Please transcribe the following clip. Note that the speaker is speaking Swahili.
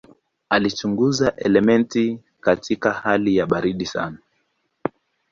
Alichunguza elementi katika hali ya baridi sana.